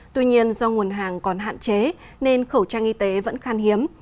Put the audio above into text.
tuy nhiên do nguồn hàng còn hạn chế nên khẩu trang y tế vẫn khan hiếm